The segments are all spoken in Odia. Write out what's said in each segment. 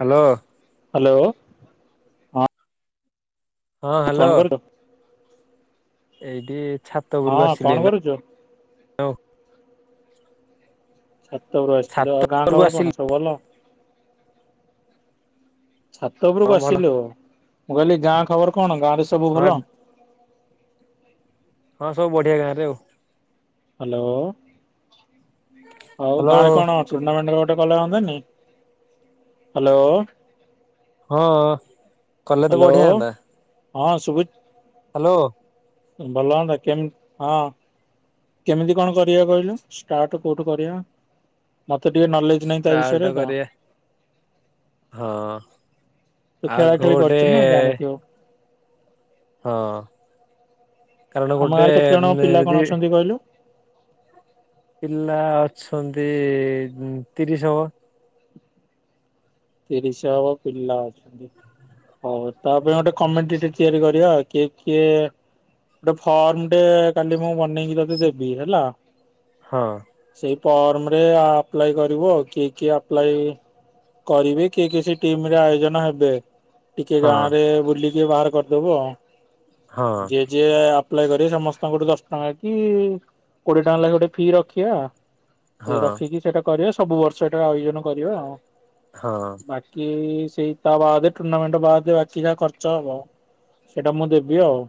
ହ୍ୟାଲୋ। ହ୍ୟାଲୋ। ହଁ କଣ ହ୍ୟାଲୋ। କରୁଛ? ଏଇଠି ଛାତ ଉପରକୁ ହଁ ଆସିଲି କଣ ଏଇନା କରୁଛ? ଆଉ ଛାତ ଉପରୁ ଆସିଥିଲି। ଛାତ ଗାଁ ଉପରକୁ ଖବର ଆସିଲି କଣ ସବୁ ଭଲ। ଛାତ ହଁ ଉପରକୁ ଭଲ ଆସିଲୁ। ମୁଁ କହିଲି ଗାଁ ଖବର କଣ ଗାଁ ରେ ସବୁ ହଁ ଭଲ। ହଁ ସବୁ ବଢିଆ ଗାଁରେ ଆଉ। ହ୍ୟାଲୋ ହଉ ହ୍ୟାଲୋ ଗାଁରେ କଣ ଟୁର୍ନାମେଣ୍ଟ ଗୋଟେ ହଉନ୍ତନି। ହ୍ୟାଲୋ। ହଁ କଲେ ତ ହ୍ୟାଲୋ ବଢିଆ ହନ୍ତା। ହଁ ସୁବୁ ହ୍ୟାଲୋ। ଭଲହନ୍ତା କେମିତି ହଁ। କେମିତି କଣ କରିବା କହିଲୁ ଷ୍ଟାର୍ଟ କୋଉଠୁ କରିବା? ମତେ ଟିକେ ନଲେଜ ନହିଁ ତା ଷ୍ଟାର୍ଟ ବିଷୟରେ ତ। କରିବା ହଁ ତୁ ଆଉ ଖେଳା ଖେଳି ଗୋଟେ କରିୁଛୁୁ ନା ଜାଣିଥିବୁ। ହଁ କାରଣ ଆମ ଗୋଟେ ଗାଁରେ କେତେ ଜଣ ପିଲା କଣ ଯଦି ଅଛନ୍ତି କହିଲୁ? ପିଲା ଅଛନ୍ତି ତିରିଶ ହବ। ତିରିଶ ହବ ପିଲା ଅଛନ୍ତି। ହଉ ତା ପାଇଁ ଗୋଟେ କମିଟି ଟେ ତିଆରି କରିବା। କିଏ କିଏ ଗୋଟେ ଫର୍ମ ଟେ କାଲି ମୁଁ ବନେଇକି ତତେ ଦେବି ହେଲା। ହଁ। ସେଇ ଫର୍ମ ରେ ଆପ୍ଲାଏ କରିବ କିଏ କିଏ ଆପ୍ଲାଏ କରିବେ କିଏ କିଏ ସେ ଟିମରେ ଆୟୋଜନ ହେବେ ଟିକେ ହଁ ଗାଁ ରେ ବୁଲ ଟିକେ ବାହାର କରିଦୋବ ଆଉ। ହଁ ଯେ ଯେ ଯିଏ ଆପ୍ଲାଏ କରିବେ ସମସ୍ତଙ୍କଠୁ ଦଶ ଟଙ୍କା କି କୋଡିଏ ଟଙ୍କା ଲାଗେ ଗୋଟେ ଫି ରଖିବା। ସେ ହଁ ରଖିକି ସେଇଟା କରିବା ସବୁ ବର୍ଷ ଏଇଟା ଆୟୋଜନ କରିବା ଆଉ। ହଁ। ବାକି ସେଇ ତା ବାଦେ ଟୁର୍ଣ୍ଣାମେଣ୍ଟ ବାଦେ ବାକି ଯାହା ଖର୍ଚ୍ଚ ହବ। ସେଇଟା ମୁଁ ଦେବି ଆଉ।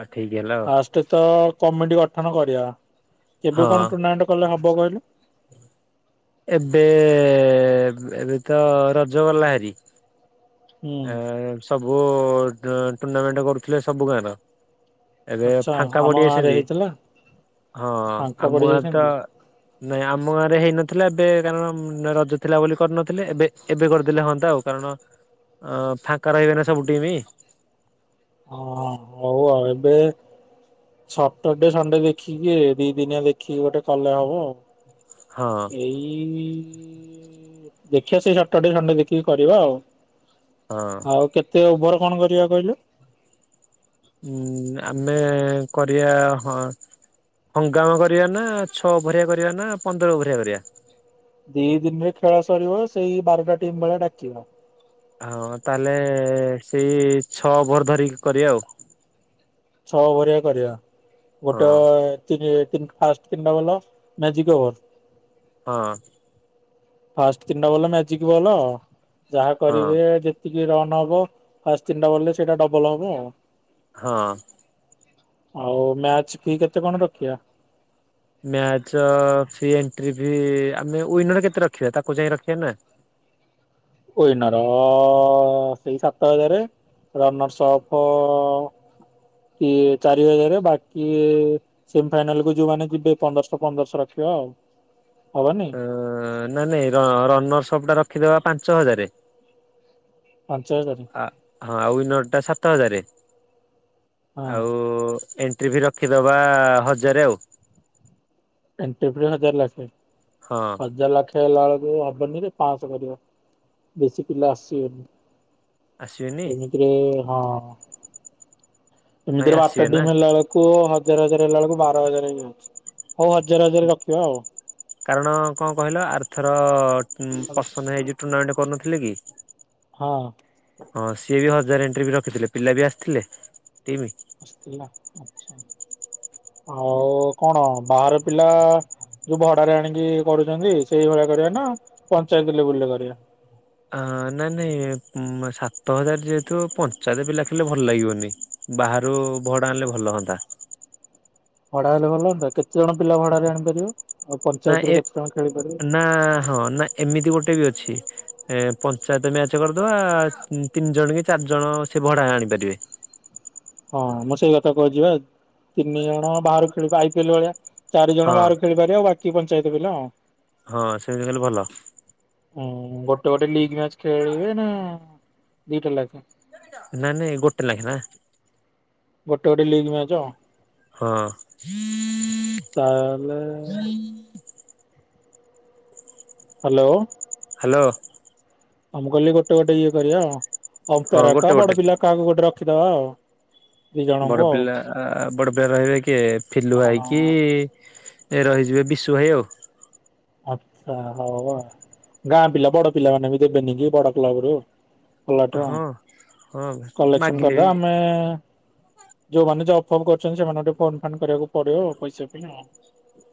ହୋଉ ଠିକ୍ ହେଲା ଆଉ। ଫାଷ୍ଟ ତ କମିଟି ଗଠନ କରିବା। କେବେ ହଁ କଣ ଟୁର୍ଣ୍ଣାମେଣ୍ଟ କଲେ ହବ କହିଲୁ? ଏବେ ଏବେ ତ ରଜ ଗଲା ହେରି। ହୁଁ ଏ ସବୁ ଟୁର୍ଣାମେଣ୍ଟ କରୁଥିଲେ ସବୁ ଗାଁର। ଏବେ ଆଚ୍ଛା ଫାଙ୍କା ଆମ ଗାଁରେ ବଡିଯାଇଛନ୍ତି ହେଇଥିଲା ହଁ ଫାଙ୍କା ଆଉ ମୁଁ ଆ ତ ପଡିଯାଇଛନ୍ତି। ନାଇଁ ଆମ ଗାଁରେ ହେଇନଥିଲା ଏବେ କାରଣ ରଜ ଥିଲା ବୋଲି କରିନଥିଲେ ଏବେ ଏବେ କରିଦେଲେ ହୁଅନ୍ତା ଆଉ କାରଣ ଆ ଫାଙ୍କା ରହିବେନି ସବୁ ଟିମ। ହଁ ହଉ ଆଉ ଏବେ ସଟରଡେ ସଣ୍ଡେ ଦେଖିକି ଦି ଦିନିଆ ଦେଖିକି ଗୋଟେ କଲେ ହବ। ହଁ ଏଇ ଇ ଦେଖିବା ସେଇ ସଟର ଡେ ସନଣ୍ଡେ ଦେଖିକି କରିବା ଆଉ। ହଁ। ଆଉ କେତେ ଓଭର କଣ କରିବା କହିଲୁ। ଉୁଁ ଆମେ କରିବା ହଁ ହଙ୍ଗାମା କରିବା ନା ଛଅ ଓଭରିଆ କରିବା ନା ପନ୍ଦର ଓଭରିଆ କରିବା। ଦି ଦିନରେ ଖେଳ ସରିବ ସେଇ ବାରଟା ଟିମ୍ ଭଳିଆ ଡାକିବା। ହଁ ତାହେଲେ ସେଇ ଛଅ ଓଭର ଧରିକି କରିବା ଆଉ। ଛଅ ଓଭରିଆ କରିବା। ହଁ ଗୋଟେ ଟିକେ ଟି ଫାଷ୍ଟ ତିନିଟା ବଲ ମାଜିକ ଓଭର ହଁ। ଫାଷ୍ଟ ତିନିଟା ବଲ ମ୍ୟାଜିକ ବଲ ଯାହା ହଁ କରିବେ ଯେ ସେତିକି ରନ ହବ ଫାଷ୍ଟ୍ ତିନିଟା ବଲରେ ସେଇଟା ଡବଲ ହବ ଆଉ। ହଁ। ଆଉ ମ୍ୟାଚ କି କେତେ କଣ ରଖିବା। ମ୍ୟାଚ ଅଛି ଏଣ୍ଟ୍ରି ବି ଆମେ ୱିନର କେତେ ରଖିବା? ତାକୁ ଯାଇ ରଖିବା ନା। ୱିନରର ସେଇ ସାତ ହଜାରେ। ରନର୍ଷ ଅପ୍ କିଏ ଚାରି ହଜାରେ। ବାକି ସେମି ଫାଇନାଲ କୁ ଯୋଉମାନେ ଯିବେ ପନ୍ଦରଶହ ପନ୍ଦରଶହ ରଖିବା ଆଉ ହବନି। ଅ ନା ନାଇଁ ର ରନର୍ଷ ଅପ୍ ଟା ରଖିଦବା ପାଞ୍ଚ ହଜାରେ। ପାଞ୍ଚହଜାରେ। ହଁ ଆ ଆଉ ୱିନର୍ ଟା ସାତ ହଜାର। ହଁ ଆଉ ଏ ଣ୍ଟ୍ରି ଫି ରଖିଦେବା ହଜାରେ ଆଉ। ଏଣ୍ଟ୍ରି ଫି ହଜାରେ ଲାଖେ। ହଁ ହଜାର ଲାଖେ ଫେ ହେଲାବେଳକୁ ହବନିରେ ପାଞ୍ଚଶହ କରିବ। ବେଶୀ ପିଲା ଆସିିବେନି। ଆସିବେନି? ଏମିତିରେ ହଁ ନାଇଁ ଏମିତିରେ ବାରଟା ଆସିବେ ନା ଟିମ୍ ହେଲାବେଳକୁ କୁଅ ହଜାର ହଜାର ହେଲା ବେଳକୁ ବାର ହଜାର ହେଇଯାଉଛି ହଉ ହଜାର ହଜାର ରଖିବା ଆଉ। କାରଣ କଣ କହିଲ ଆର୍ଥର ଉଁ ପ୍ରସନ୍ନ ଭାଇ ଯୋଉ ଟୁର୍ଣ୍ଣାମେଣ୍ଟ କରୁନଥିଲେ କି ହଁ। ହଁ ସିଏ ବି ହଜାର ଏଣ୍ଟ୍ରି ଫି ରଖିଥିଲେ ପିଲା ବି ଆସିଥିଲେ ଟିମ୍। ଆଉ କଣ ବାହାର ପିଲା ଯୋଉ ଭଡାରେ ଆଣିକି କରୁଚନ୍ତି ସେଇଭଳିଆ କରିବା ନା ପଞ୍ଚାୟତ ଲେବୁଲ ରେ କରିବା। ଅ ନାଇଁ ନାଇଁ ମ ସାତ ହଜାର ଯେହେତୁ ପଞ୍ଚାୟତ ପିଲା ଖେଳିଲେ ଭଲ ଲାଗିବନି। ବାହାରୁ ଭଡା ଆଣିଲେ ଭଲ ହୁନ୍ତା। ଭଡା ହେଲେ ଭଲ ତ କେତେ ଜଣ ପିଲା ଭଡାରେ ଆଣିପାରିବ। ଆଉ ନା ପଞ୍ଚାୟତରୁ ଏ କେତେ ଜଣ ଖେଳିପାରିବେ ନା ହଁ ନା ଏମିତି ଗୋଟେ ବି ଅଛି ଏ ପଞ୍ଚାୟତ ମ୍ୟାଚ୍ କରିଦେବା ତିନି ଜଣ କି ଚାରିଜଣ ସେ ଭଡ଼ା ରେ ଆଣିପାରିବେ। ହଁ ମୁଁ ସେଇ କଥା କହୁଛିିବା ତିନି ଜଣ ବାହାରୁ ଖେଳିବ ଆଇ ପି ଏଲ ଭଳିଆ। ଚାରି ଜଣ ହଁ ବାହାରୁ ଖେଳିପାରିବ ଆଉ ବାକି ପଞ୍ଚାୟତ ପିଲା ଆଉ। ହଁ ସେମିତି କଲେ ଭଲ। ହୁଁ ଗୋଟେ ଗୋଟେ ଲିଗ ମ୍ୟାଚ ଖେଳିବେ ନା ଦିଟା ଲେଖା। ନାଇଁ ନାଇଁ ଗୋଟେ ଲେଖା ନା। ଗୋଟେ ଗୋଟେ ଲିଗମ୍ୟାଚ ଆଉ। ହଁ। ତାହେଲେ ହ୍ୟାଲୋ। ହ୍ୟାଲୋ। ଆ ମୁଁ କହିଲି ଗୋଟେ ଗୋଟେ ଇଏ କରିବା ଆଉ ହଁ ଅମ୍ପେୟେର ଗୋଟେ ହାକା ଗୋଟେ ବଡ ପିଲା କାହାକୁ ଗୋଟେ ରଖିଦବା ଆଉ। ଦି ବଡ ଜଣଙ୍କୁ ଆଉ। ପିଲା ବଡ ପିଲା ରହିବେ କିଏ ଫିଲୁ ଭାଇକି ହଁ ଏ ରହିଯିବେ ବିଶୁ ଭାଇ ଆଉ। ଆଚ୍ଛା ହଊ ଆଉ ଗାଁ ପିଲା ବଡ ପିଲା ମାନେ ବି ଦେବେନି କି ବଡ କ୍ଲବ ରୁ। କଲାଠୂ ହଁ ହଁ କଲେକ୍ସନ ମାଗିଲେ କରିଦେବ ବି ଆମେ ଯୋଉମାନେ ଜବ୍ ଫବ୍ କରୁଛନ୍ତି ସେମାନଙ୍କୁ ଟିକେ ଫୋନ ଫାନ୍ କରିବାକୁ ପଡିବ ପଇସା ପାଇଁ ଆଉ।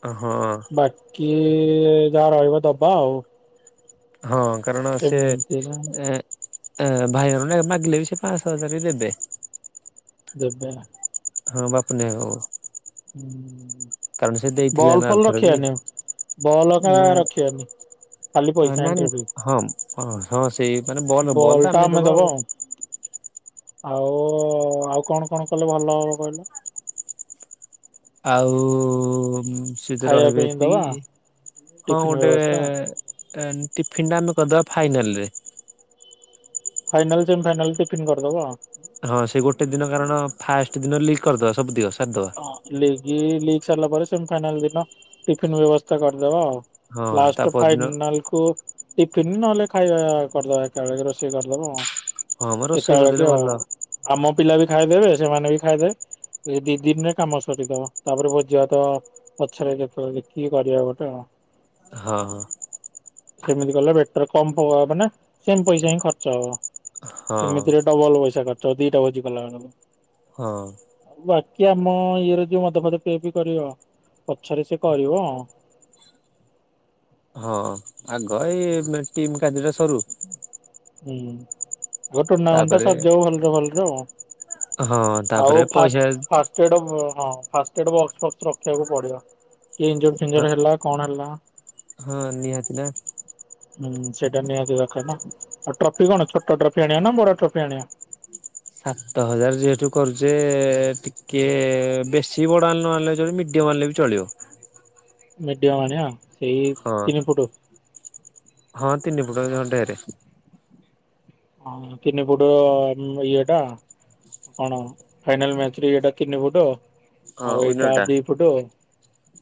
ଅ ହଁ। ବାକି ଯାହା ରହିବ ଦବା ଆଉ। ହଁ କାରଣ ସେ ଏମିତିରେ ଏଁ ଏଁ ଭାଇ ମାନେ ମାଗିଲ ବି ସ ପାଁଶହ ହଜାର ବି ଦେବେ। ଦେବେ। ହଁ ବାପୁନି ଭାଇ ହୋଉ ହୁଁ। ବଲ୍ ନା ଫଲ ଆରଥର ବି ରଖିବାନି ବଲ ଆଖା ନା ରଖିବାନି। ଖାଲି ଅ ପଇସା ନାଇଁ ଏଣ୍ଟ୍ରି ଫି। ହଁ ହଁ ହଁ ସେଇ ମାନେ ବଲ ବଲ୍ ତ ଆମେ ଦବା ଆଉ। ଆଉ ଆଉ କଣ କଣ କଲେ ଭଲ ହବ କହିଲ। ଆଉ ସେ ଦି ଖାଇବା ରହିବେ ପାଇଁ ଏତି ଦବା ହଁ ଟିଫିନ ଗୋଟେ ବ୍ୟବସ୍ଥା ଏ ଟିଫିନ ଟା ଆମେ କରିଦବା ଫାଇନାଲ ରେ। ଫାଇନାଲ ସେମି ଫାଇନାଲ ଟିଫିନ୍ କରିଦବା। ହଁ ସେ ଗୋଟେ ଦିନ କାରଣ ଫାଷ୍ଟ ଦିନ ଲିକ୍ କରିଦବା ସବୁ ତିକ ସାରିଦବା। ହଁ ଲିଗ ଲିଗ ସାରିଲା ପରେ ସେମି ଫାଇନାଲ ଦିନ ଟିଫିନ୍ ବ୍ୟବସ୍ଥା କରିଦବା ଆଉ। ହଁ ତା ଲାଷ୍ଟ ଫାଇ ପରଦିନ ନାଲକୁ ଟିଫିନ ନହେଲେ ଖାଇବା କରିଦବା ଏକାବେଳେକେ ରୋଷେଇ କରିଦବ। ହଁ ମ ଏକା ରୋଷେଇ କରିଦେଲେ ବେଳେକେ ଆଉ ଭଲ ଆମ ପିଲା ବି ଖାଇଦେବେ ସେମାନେ ବି ଖାଇଦେବେ ଏଇ ଦି ନରେ କାମ ସରିଦବା ତାପରେ ଭୋଜୀ ଭାତ ପଛରେ କେତେବେଳେ ଦେଖିକି କରିବା ଗୋଟେ ଆଉ। ହଁ ହଁ। ସେମିତି କଲେ ବେଟର୍ କମ ଫ ହବ ନା ସେମ୍ ପଇସା ହିଁ ଖର୍ଚ୍ଚ ହବ। ହଁ ଏମିତିରେ ଡବଲ ପଇସା ଖର୍ଚ୍ଚ ଦିଟା ଭୋଜି କଲା ବେଳୁକୁ। ହଁ। ବାକି ଆମ ଇଏରେ ଯିଏ ମଦ ଫଦ ପିଆ ପି କରିବ ପଛରେ ସେ କରିବ। ହଁ ଆଗ ଏଇ ଟିମ୍ କାର୍ଯ୍ୟଟା ସରୁ। ହୁଁ ହଉ ଟୁର୍ଣ୍ଣାମେଣ୍ଟ ଟା ତାପରେ ସରିଯାଉ ଭଲରେ ଭଲରେ ଆଉ। ହଁ ତାପରେ ପଇସା। ସେଇଟେ ହଁ ଫାଷ୍ଟେଡ ବକ୍ସ ଫକ୍ସ ରଖିବାକୁ ପଡ଼ିବ କିଏ ଏଞ୍ଜୋଡ ଫେଞ୍ଜୋଡ ହେଲା କଣ ହେଲା। ହଁ ନିହାତି ନା। ହୁଁ ସେଟା ନିଆତି ଦରକାର ନା ଆଉ ଟ୍ରଫି କଣ ଛୋଟ ଟ୍ରଫି ଆଣିଆ ନା ବଡ ଟ୍ରାଫି ଆଣିଆ। ସାତ ହଜାର ଯେହେତୁ କରୁଛେ ଟିକେ ବେଶୀ ବଡ ନଆଣିଲେ ଚଳିବ ମିଡ଼ ଡିୟମ ଆଣିଲେ ବି ଚଳିବ। ମିଡିଅମ ଆଣିବା ସେଇ ହଁ ତିନି ଫୁଟୁ। ହଁ ତିନି ଫୁଟୁ ଜଦି ହଁ ଢେର୍। ହଁ ତିନି ଫୁଟୁ ଆମ ଇଏଟା। ଆଣ ଫାଇନାଲ ମ୍ୟାଚରେ ଇଏଟା ତିନି ଫୁଟ ହଁ ଆଉ ୱିନର ଏଇଟା ଟା ଦି। ଫୁଟୁ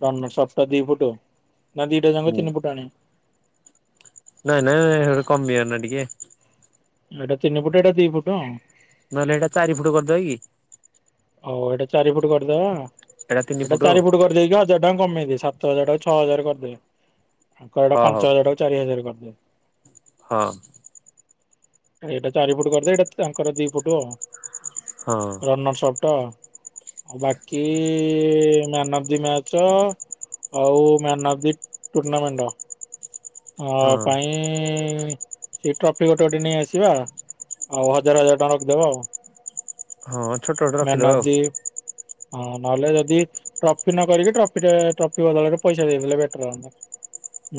ରନରସ୍ ଅଫ ଟା ଦିଇ ଫୁଟୁ ନା ଦିଇଟା ଜାଙ୍କ ହୁଁ। ତିନି ଫୁଟୁ ଆଣିବା। ନାଇଁ ନାଇଁ ହେଇଟା କମିବ ନା ଟିକେ। ଏଇଟା ତିନି ଫୁଟୁ ଏଇଟା ଦି ଫୁଟୁ ଆଉ। ନହେଲେ ଏଇଟା ଚାରିୁଫୁଟ କରିଦବା କି। ହଉ ଏଇଟା ଚାରି ଫୁଟ କରିଦବା ଏଇଟା ଚାରି ଫୁଟ କରି ଦେଇକି ହଜାର ଟଙ୍କା କମେଇ ଦେ ସାତ ହଜାର ଟାକୁ ଛଅ ହଜାର କରିଦେ। ହାଙ୍କ ହଟା ଟାକୁ ଆଉ ହଁ ପାଞ୍ଚ ହଜାର ଟାକୁ ଚାରି ହଜାର କରିଦେ। ହଁ। ଏଇଟା ଚାରି ଫୁଟ କରିଦେ ଏଇଟା ତାଙ୍କର ଦି ଫୁଟ ଆଉ। ହଁ। ରନରସ୍ ଅଫ ଟା ଆଉ ବାକି ମ୍ୟାନ ଅଫ ଦି ମ୍ୟାଚ। ଆଉ ମ୍ୟାନ ଅଫ ଦି ଟୁର୍ଣ୍ଣାମେଣ୍ଟ। ଅ ହଁ ପାଇଁ। ସେଇ ଟ୍ରଫି ଗୋଟେ ଗୋଟେ ନେଇ ଆସିବା ଆଉ ହଜାର ହଜାର ଟଙ୍କା ରଖିଦବା ଆଉ। ହଁ ଛୋଟ ଗୋଟେ ରଖିଦବା ଆଉ। ହଁ ନହେଲେ ଯଦି ଟ୍ରଫି ନ କରିକି ଟ୍ରଫି ଟେ ଟ୍ରଫି ବଦଳରେ ପଇସା ଦେଇଦେଲେ ବେଟର ହନ୍ତା।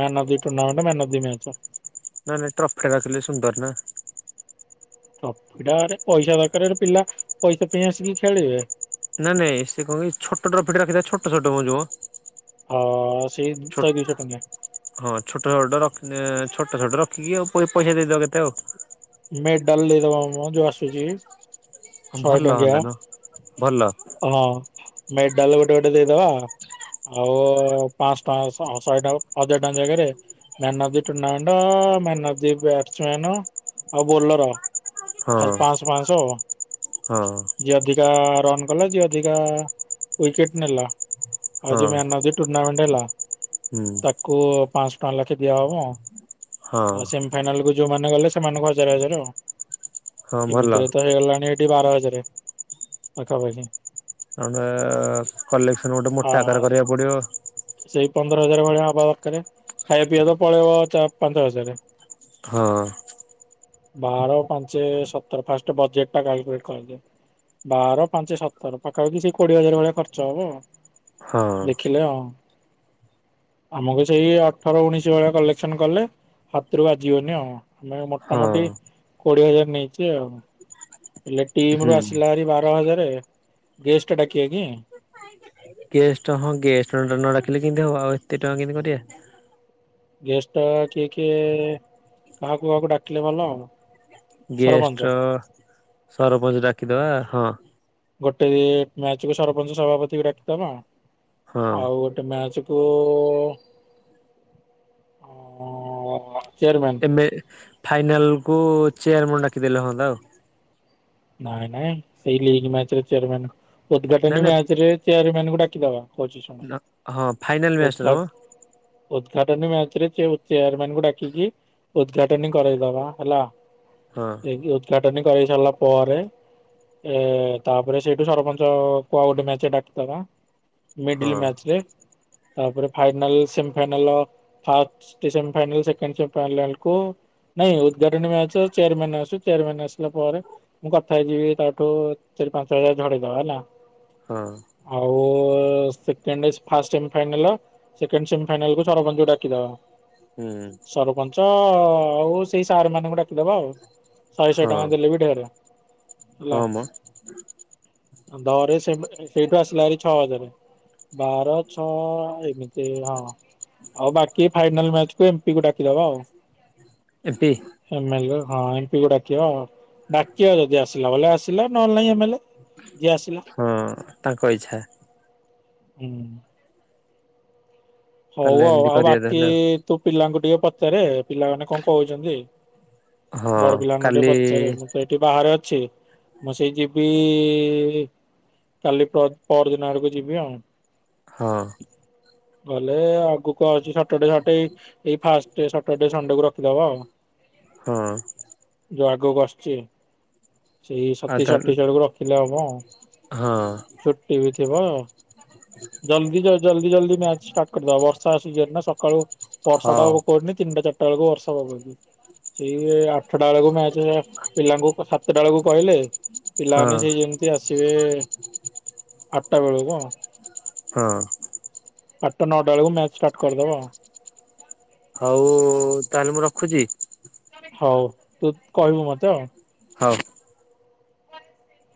Man of the tournament man of the match. ନାଇଁ ନାଇଁ ଟ୍ରଫେ ରଖିଲେ ସୁନ୍ଦର ନା। ଟ୍ରଫିଟାରେ ପଇସା ଦରକାର ରେ ପିଲା ପଇସା ପେଇଁ ଆସିକି ଖେଳିବେ। ନା ନାଇଁ ସେ କଣ କି ଛୋଟ ଟ୍ରଫି ଟେ ରଖି ଦବା ଛୋଟୋ ଛୋଟୋ ମ ଯୋଉମ। ହଁ ସେଇ ଶଏ ଦୁଇଶ ଟଙ୍କିଆ। ହଁ ଛୋଟ ଛୋଟ ରଖି ନେ ଛୋଟ ଛୋଟ ରଖିକି ଆଉ ପଇସା ଦେଇଦବ କେତେ ଆଉ। ମେଡାଲ ଦେଇଦବା ମ ଯୋଉ ଆସୁଛି। ଶଏ ଭଲ ଟଙ୍କିଆ ହନ୍ତା ନୁହଁ ଭଲ ହଁ ମେଡାଲ ଗୋଟେ ଗୋଟେ ଦେଇଦବା। ଆଉ ପାଆଁଶ ଟଙ୍କା ଶହେ ଟାକୁ ହଜାର ଟଙ୍କା ଜାଗାରେ। Man of the tournament man of the batsman ଆଉ ବୋଲର। ହଁ ହ ଜ ପାଆଁସ ପାଆଁସ‌ ଆଉ କଁ। ହଁ। ଯିଏ ଅଧିକା ରନ୍ କଲା ଯିଏ ଅଧିକା ୱିକେଟ ନେଲା ଆଉ ହଁ ଯିଏ ମ୍ୟାନ ଅଫ ଦି। ଟୁର୍ଣ୍ଣାମେଣ୍ଟ ହେଲା ହୁଁ ତାକୁ ପାଆଁସ ଟଙ୍କା ଲାଖେ ଦିଆହବ ହଁ ଆଉ ସେ ଫାଇନାଲ କୁ ଯୋଉମାନେ ଗଲେ ସେମାନଙ୍କୁ ହଜାରେ ହଜାରେ ଆଉ ହଁ ଭଲ। ଏମିତି ରେ ତ ହେଇଗଲାଣି। ଏଇଠି ବାର ହଜାର ପାଖାପାଖି। ଆମେ କଲେକ୍ସନ ଗୋଟେ ଆ ମୋଟା ଆକାର କରିବାକୁ ପଡିବ। ସେଇ ପନ୍ଦର ହଜାର ଭଳିଆ ହବା ଦରକାର ଖାଇବା ପିଇବା ତ ପଳେଇବ ଚ ପାଞ୍ଚ ହଜାର। ହଁ। ବାର ପାଞ୍ଚେ ସତର ଫାଷ୍ଟ ବଜେଟା ଟା କାଲକୁଲେଟ କରିଦେ। ବାର ପାଞ୍ଚ ସତର ପାଖାପାଖି ସେଇ କୋଡିଏ ହଜାର ଭଳିଆ ଖର୍ଚ୍ଚ ହବ ହଁ। ଆଉ ଦେଖିଲେ ହଁ। ଆମକୁ ସେଇ ଅଠର ଉଣିଶି ଭଳିଆ କଲେକ୍ସନ କଲେ ହାତରୁ ବାଜିିବନି ଆଉ। ଆମେ ହଁ ମୋଟାମୋଟି କୋଡିଏ ହଜାର ନେଇଚେ ଆଉ। ହେଲେ ହୁଁ ଟିମରୁ ଆସିଲା ଭାରି ବାର ହଜାର ଗେଷ୍ଟ ଡାକିବା କି? ଗେଷ୍ଟ ହଁ ଗେଷ୍ଟ ନଡାକିଲେ କେମିତି ହବ ଆଉ ଏତେ ଟଙ୍କା କେମିତି କରିବା। ଗେଷ୍ଟ କିଏ କିଏ କାହାକୁ କାହାକୁ ଡାକିଲେ ଭଲ ହବ। ଗେଷ୍ଟ ସରପଞ୍ଚ ଡାକିଦବା ହଁ। ଗୋଟେ ମ୍ୟାଚକୁ ସରପଞ୍ଚ ସଭାପତି ରଖିଦବା ହଁ ଆଉ ଗୋଟେ ମ୍ୟାଚ [unintelligible] ବେ ଫାଇନାଲକୁ ଚେୟାରମେନମୁ ଡାକିଦେଲେ ହନ୍ତା ଆଉ। ନାଇଁ ନାଇଁ ସେଇ ଲିଗ୍ ମ୍ୟାଚରେ ଚେୟାରମ୍ୟନ୍। ନାଇଁ ଉଦ୍ଘାଟନୀ ନାଇଁ ମ୍ୟାଚରେ ଚେୟାରମ୍ୟାନକୁ ଡାକିଦବା କହୁଛି ହଁ ଫାଇନାଲ ମ୍ୟାଚ ଟା ମ ଶୁଣ। ଉଦଘାଟନୀ ମାଚରେ ଯୋଉ ଚେୟାରମନ୍ କୁ ଡାକିକି। ଉଦଘାଟନୀ କରେଇଦେବା ହେଲା। ହଁ। ଏନ୍ତି ଉଦ୍ଘାଟନି କରିସାରିଲା ପରେ ଏଁ ତାପରେ ସେଇଠୁ ସରପଞ୍ଚ କୁ ଆଉ ଗୋଟେ ମ୍ୟାଚରେ ଡାକିଦବା। ମିଡିଲ୍ ହଁ ମ୍ୟାଚରେ। ତାପରେ final semifinal first final second ସେମିଫାଇନାଲକୁ। ନାଇଁ ଉଦ୍ଘାଟନୀ ମ୍ୟାଚ୍ ଚେୟାରମ୍ୟାନ୍ ଆସୁ ଚେୟାରମ୍ୟାନ୍ ଆସିଲା ପରେ। ମୁଁ କଥା ହେଇଯିବି ତାଠୁ ଚାରିପାଞ୍ଚ ହଜାର ଝଡେଇଦବା ହେଲା। ହଁ। ଆଉ ସେକେଣ୍ଡ ଫା first semi final second semi final କୁ ସରପଞ୍ଚ କୁ ଡାକିଦେବା। ହୁଁ। ସରପଞ୍ଚ ଆଉ ସେଇ ସାର୍ ମାନଙ୍କୁ ଡାକିଦବା ଆଉ ଶହେ ଶହେ ହଁ ଟଙ୍କା ଦେଲେ ବି ଢେର। ହେଲା ହଁ ମ ଧରେ ସେପଟେ ସେଇଠୁ ଆସିଲା ହାରି ଛଅ ହଜାରେ। ବାର ଛଅ ଏମିତି ସେ ହଁ ଆଉ ବାକି ଫାଇନାଲମ୍ୟାଚକୁ ଏମି ପି କ ଡାକିଦବା। ଏମପି। ଏମେଲ ହଁ ଏମ୍ ପି କୁ ଡାକିବା ଆଉ କିଏ ଯଦି ଆସିଲା ବଲେ ଆସିଲା ନହେଲେ ନାଇଁ ଏମଏଲଏ ଯିଏ ଆସିଲା। ହଁ ତାଙ୍କ ଇଚ୍ଛା। ହୁଁ। ହଉ ତାହେଲେ ଆଉ ଏମିତି ଆଉ କରିବା ବାକି ତାହେଲେ ଆଉ ତୁ ପିଲାଙ୍କୁ ଟିକେ ପଚାରେ ପିଲାମାନେ କଣ କହୁଛନ୍ତି। ହଁ ବଡପିଲାମାନଙ୍କୁ ଟିକେ କାଲି ପଚାରେ, ମୁଁ ତ ଏ ବାହାରେ ଅଛି ମୁଁ ସେଇ ଯିବି କାଲି ପର ପରଦିନ ଆଡକୁ ଯିବି ଆଉ। ହଁ। ନହେଲେ ଆଗକୁ ଆଉଛି ସଟରଡେ ଷଣ୍ଡେ ଏଇ ଫାଷ୍ଟ ସଟରଡେ ସଟଡେ ଷଣ୍ଡେକୁ ରଖିଦେବା ଆଉ। ହୁଁ। ଯ ଆଗକୁ ଆସୁଛି। ସେଇ ଆଉ ସତେଇଶ ତାହେଲେ ଅଠେଇଶ ଆଡ଼କୁ ରଖିଲେ ହବ ଆଉ। ହଁ ଛୁଟି ବି ଥିବ, ଜଲଦି ଜ ଜଲଦି ଜଲଦି ମ୍ୟାଚ। ଡାକନି ଆଉ ବର୍ଷା ଆସିଯିବ ନା ସକାଳୁ ବର୍ଷା ହଁ ଟା ଆଉ କୋଉଠି ନାଇଁ ତିନି ଟା ଚାରଟା ଆଠଟା ବେଳକୁ ବର୍ଷ ବାବି ସେଇ ଆଠଟା ବେଳକୁ ମ୍ୟାଚ ପିଲାଙ୍କୁ ସାତଟା ବେଳକୁ କହିଲେ ପିଲାମାନେ ହଁ। ସେଇ ଯେ ସେ ଆସିବେ ଆଠଟା ବେଳକୁ ଆଉ। ହଁ। ଆଠଟା ନଅଟା ବେଳକୁ ମ୍ୟାଚ ଷ୍ଟାର୍ଟ କରିଦବ ଆଉ। ହଉ-ଉ, ତାହେଲେ ମୁଁ ରଖୁଛି। ହଉ, ତୁ କହିବୁ ମତେ ଆଉ? ହଉ। [inaudible]